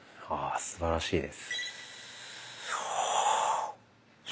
ああすばらしいです。